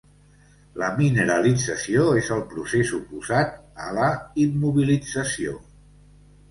La mineralització és el procés oposat a la immobilització.